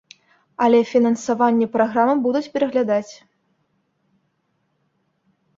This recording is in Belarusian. Але фінансаванне праграмы будуць пераглядаць.